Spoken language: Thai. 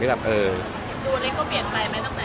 ดูและวัดนะคะสิวะ